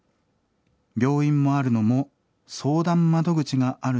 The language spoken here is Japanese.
病院もあるのも相談窓口があるのも知ってる。